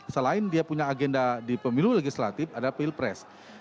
selain dia punya agenda di pemilu legislatif ada pilpres